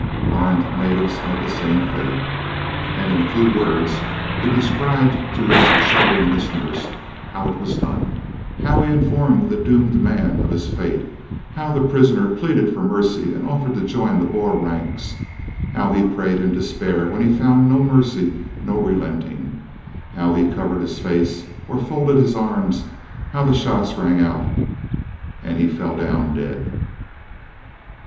Armed natives met the same fate, and in a few words he described to his shuddering listeners how it was done, how he informed the doomed man of his fate, how the prisoner pleaded for mercy and offered to join the Boer ranks, how he prayed in despair when he found no mercy, no relenting, how he covered his face or folded his arms, how the shots rang out and he fell down dead.